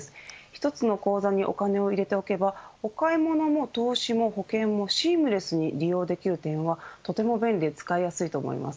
一つの口座にお金を入れておけばお買い物も投資も保険もシームレスに利用できる点はとても便利で使いやすいと思います。